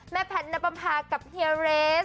แม่แพทย์นับปรับภากับเฮียเรซ